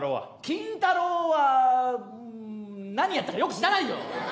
「金太郎」はうん何やったかよく知らないよ！